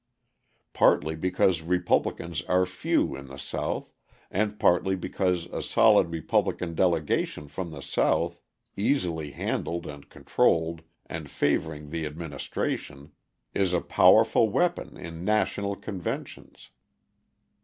Partly because Republicans are few in the South and partly because a solid Republican delegation from the South, easily handled and controlled and favouring the administration, is a powerful weapon in national conventions.